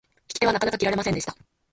引き手はなかなか切らせませんでした。